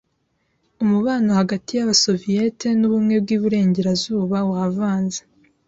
Umubano hagati y’Abasoviyeti n’Ubumwe bw’iburengerazuba wavanze.